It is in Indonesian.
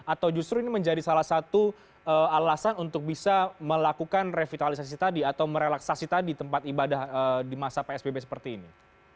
atau justru ini menjadi salah satu alasan untuk bisa melakukan revitalisasi tadi atau merelaksasi tadi tempat ibadah di masa psbb seperti ini